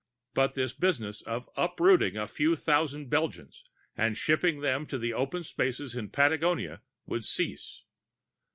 But this business of uprooting a few thousand Belgians and shipping them to the open spaces in Patagonia would cease.